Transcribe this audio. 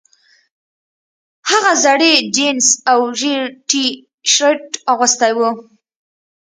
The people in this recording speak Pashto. هغه زړې جینس او ژیړ ټي شرټ اغوستی و